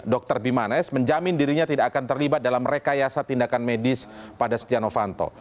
dr bimanes menjamin dirinya tidak akan terlibat dalam rekayasa tindakan medis pada setia novanto